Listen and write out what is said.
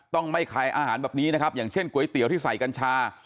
ต้องไม่ขายอาหารแบบนี้นะครับอย่างเช่นก๋วยเตี๋ยวที่ใส่กัญชา